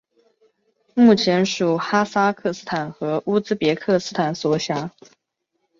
目前属哈萨克斯坦和乌兹别克斯坦所辖。